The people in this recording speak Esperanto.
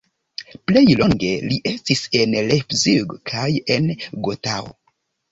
Plej longe li estis en Leipzig kaj en Gotao.